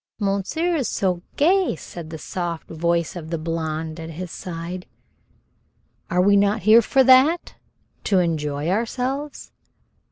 "Monsieur is so gay!" said the soft voice of the blonde at his side. "Are we not here for that, to enjoy ourselves?"